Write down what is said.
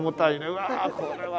うわこれは。